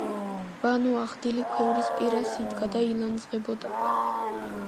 ვანო ახლდილი ქვევრის პირას იდგა და ილანძღებოდა.